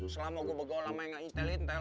selama gua begaulah main gak intel intel